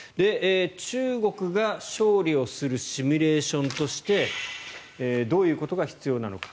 中国が勝利をするシミュレーションとしてどういうことが必要なのか。